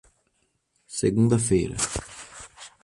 Segunda-feira.